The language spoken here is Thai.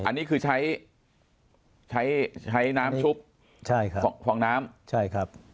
อันนี้คือใช้ใช้ใช้น้ำชุบใช่ครับฟองน้ำใช่ครับ